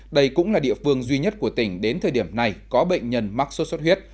đây cũng là địa phương duy nhất của tỉnh đến thời điểm này có bệnh nhân mắc sốt xuất huyết